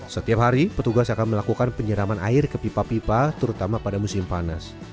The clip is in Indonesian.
setiap hari petugas akan melakukan penyeraman air ke pipa pipa terutama pada musim panas